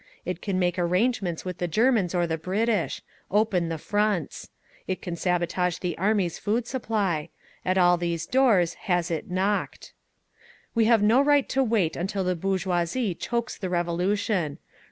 It can make arrangements with the Germans or the British; open the fronts. It can sabotage the Army's food supply. At all these doors has it knocked. "We have no right to wait until the bourgeoisie chokes the Revolution.